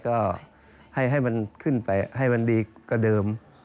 ก็ให้มันขึ้นไปให้มันดีกว่าเดิม